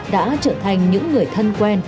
đã trở thành những người thân quen